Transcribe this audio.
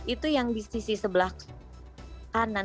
itu yang di sisi sebelah kanan